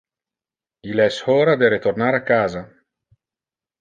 Il es hora de retornar a casa.